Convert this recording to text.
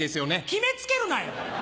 決め付けるなよ！